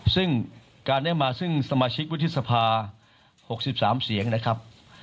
ซึ่งการได้มาซึ่งสมาชิกวุฒิสภา๖๓เสียงนะครับ